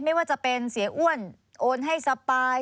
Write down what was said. ไม่ว่าจะเป็นเสียอ้วนโอนให้สปาย